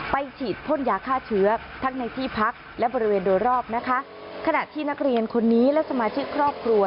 ฉีดพ่นยาฆ่าเชื้อทั้งในที่พักและบริเวณโดยรอบนะคะขณะที่นักเรียนคนนี้และสมาชิกครอบครัว